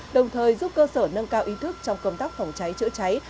đồng thời giúp cơ sở nâng cao ý thức trong công tác phòng cháy chữa cháy